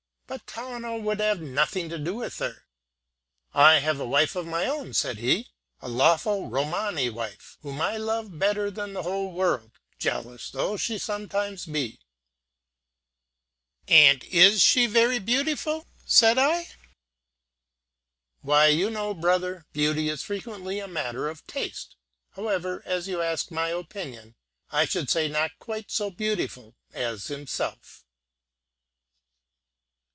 But Tawno would have nothing to do with her: 'I have a wife of my own,' said he, 'a lawful Romany wife, whom I love better than the whole world, jealous though she sometimes be.'" "And is she very beautiful?" said I. "Why, you know, brother, beauty is frequently a matter of taste; however, as you ask my opinion, I should say not quite so beautiful as himself."